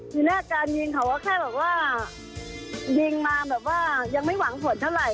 ทีแรกการยิงเขาก็แค่แบบว่ายิงมาแบบว่ายังไม่หวังผลเท่าไหร